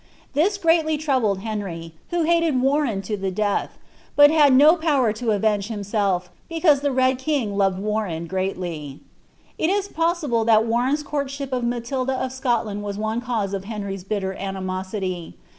This gready troubled Henry, who hated Warren to the death, but had no power to avenge himself, because the Red Kin£ loved Warren greatly."' It is possible that Warren^s courtship of Matuda of Scotland was one cause of Henry's bitter animosity.'